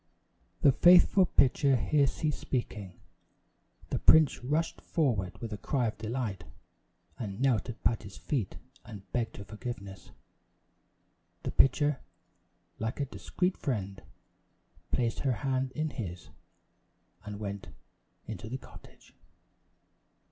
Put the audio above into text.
The faithful pitcher here ceased speaking. The prince rushed forward with a cry of delight, and knelt at Patty's feet and begged her forgiveness. The pitcher, like a discreet friend, placed her hand in his, and went into the cottage.